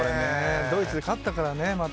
ドイツに勝ったからね。